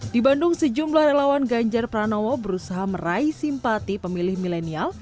di bandung sejumlah relawan ganjar pranowo berusaha meraih simpati pemilih milenial